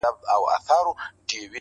خوښ مې شو بیت داسې وه